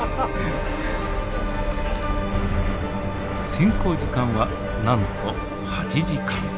潜航時間はなんと８時間。